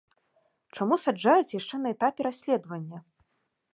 Чаму саджаюць яшчэ на этапе расследавання?